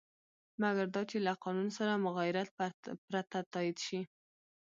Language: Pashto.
مګر دا چې له قانون سره مغایرت پرته تایید شي.